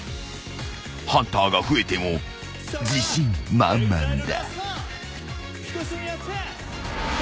［ハンターが増えても自信満々だ］